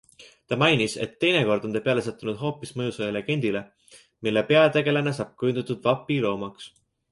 Ta mainis, et teinekord on ta peale sattunud hoopis mõjusale legendile, mille peategelane saab kujundatud vapiloomaks.